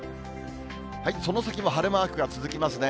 その先も晴れマークが続きますね。